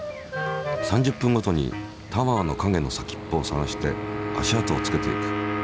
３０分ごとにタワーの影の先っぽを探して足跡をつけていく。